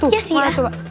iya sih ya